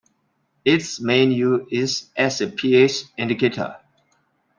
Its main use is as a pH indicator.